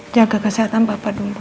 jaga kesehatan papa dulu